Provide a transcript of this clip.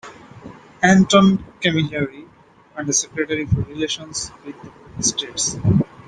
Antoine Camilleri, under-secretary for Relations with States.